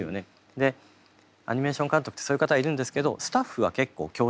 でアニメーション監督ってそういう方がいるんですけどスタッフは結構共通してるんです。